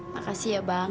makasih ya bang